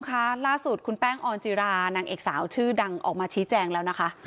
ล่าสุดคุณแป้งออนจิรานางเอกสาวชื่อดังออกมาชี้แจงแล้วนะคะ